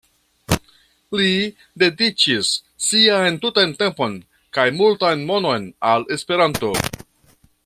Li dediĉis sian tutan tempon kaj multan monon al Esperanto.